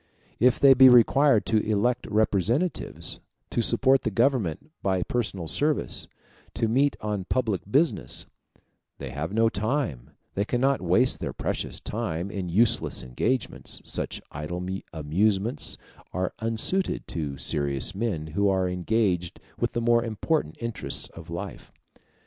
If they be required to elect representatives, to support the Government by personal service, to meet on public business, they have no time they cannot waste their precious time in useless engagements: such idle amusements are unsuited to serious men who are engaged with the more important interests of life.